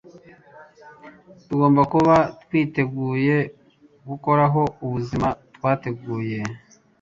Tugomba kuba twiteguye gukuraho ubuzima twateguye,